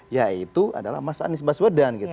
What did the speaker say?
yaitu adalah mas anies baswedan gitu